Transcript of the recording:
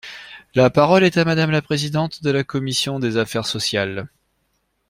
La parole est à Madame la Présidente de la commission des affaires sociales.